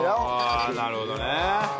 ああなるほどね。